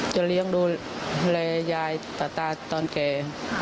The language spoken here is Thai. จะเลี้ยงดูแลยายตอนแก่